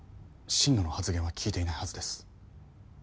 心野の発言は聞いていないはずです。